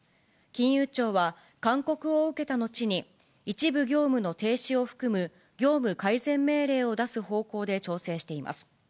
金融庁は、勧告を受けた後に、一部業務の停止を含む業務改善命令を出す方向で調整しています。